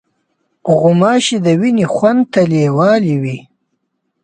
غوماشې د وینې خوند ته لیوالې وي.